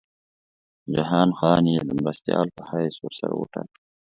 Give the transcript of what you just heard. جهان خان یې د مرستیال په حیث ورسره وټاکه.